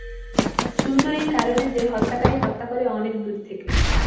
সুন্দর এই কারণে যে, হত্যকারী হত্যা করে অনেক দূর থেকে।